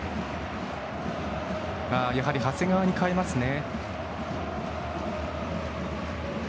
やはり長谷川に代えますね。